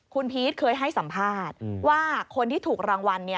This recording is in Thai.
คุณพีชเคยให้สัมภาษณ์ว่าคนที่ถูกรางวัล